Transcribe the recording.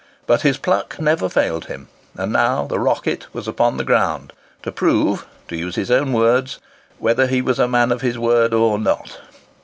But his pluck never failed him; and now the "Rocket" was upon the ground,—to prove, to use his own words, "whether he was a man of his word or not."